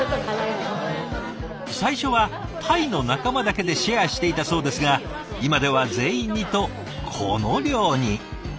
最初はタイの仲間だけでシェアしていたそうですが今では全員にとこの量に。